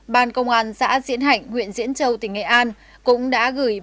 bàn công an xã diễn hạnh huyện diễn châu tỉnh nghệ an cũng đã gửi ba mươi chín triệu